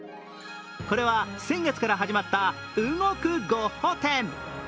これは先月から始まった動くゴッホ展。